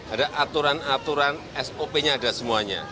ada aturan aturan sop nya ada semuanya